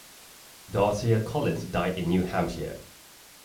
Dorothea Collins died in New Hampshire.